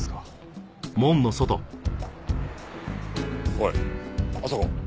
おいあそこ。